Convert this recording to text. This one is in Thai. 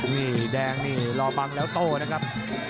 นี่แดงนี่รอบังแล้วโต้นะครับ